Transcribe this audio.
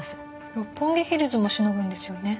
六本木ヒルズもしのぐんですよね。